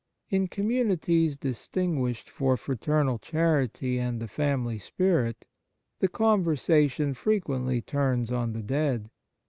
In communities distinguished for fraternal charity and the family spirit the conversation frequently turns on the dead.